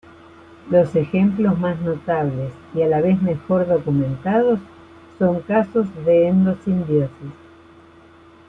Los ejemplos más notables y a la vez mejor documentados son casos de endosimbiosis.